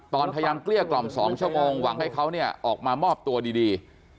พยายามเกลี้ยกล่อม๒ชั่วโมงหวังให้เขาเนี่ยออกมามอบตัวดี